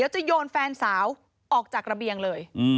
จะโยนแฟนสาวออกจากระเบียงเลย